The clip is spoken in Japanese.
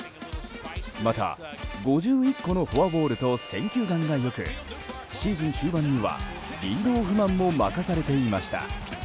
また、５１個のフォアボールと選球眼が良くシーズン終盤にはリードオフマンも任されていました。